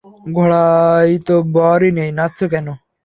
ঘোড়ায় তো বরই নেই, নাচছো কেন?